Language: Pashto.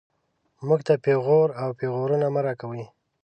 موږ ته پېغور او پېغورونه مه راکوئ